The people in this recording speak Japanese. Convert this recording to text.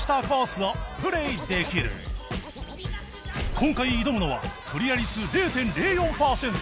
今回挑むのはクリア率 ０．０４ パーセント